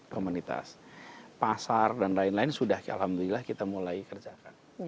komunitas pasar dan lain lain sudah alhamdulillah kita mulai kerjakan